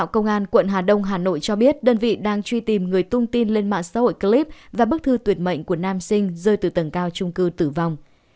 công an quận hà đông hà nội cho biết đơn vị đang truy tìm người tung tin lên mạng xã hội clip và bức thư tuyệt mệnh của nam sinh rơi từ tầng cao trung cư tử vong